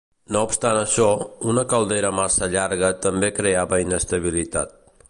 No obstant això, una caldera massa llarga també creava inestabilitat.